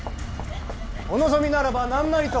お望みならば何なりと。